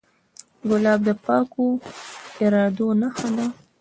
ګلاب د پاکو ارادو نښه ده.